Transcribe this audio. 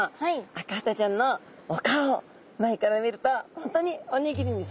アカハタちゃんのお顔前から見ると本当におにぎりにそっくりですね。